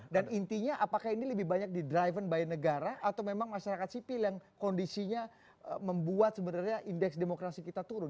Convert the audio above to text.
dan intinya apakah ini lebih banyak di driven by negara atau memang masyarakat sipil yang kondisinya membuat sebenarnya indeks demokrasi kita turun